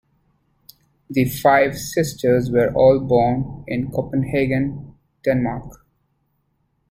The five sisters were all born in Copenhagen, Denmark.